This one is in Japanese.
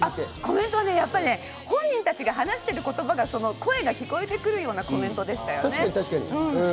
本人たちが話している言葉が声が聞こえてくるようなコメントでしたよね。